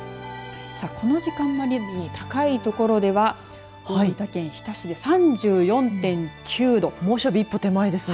この時間気温、高い所では大分県日田市で３４．９度猛暑日、一歩手前ですね。